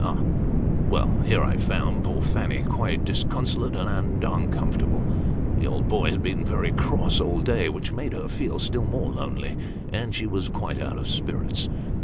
" Oh ah ! Well, here I found poor Fanny, quite disconsolate and uncomfortable. The old boy had been very cross all day, which made her feel still more lonely ; and she was quite out of spirits.